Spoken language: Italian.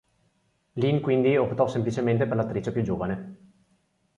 Lean, quindi, optò semplicemente per l'attrice più giovane.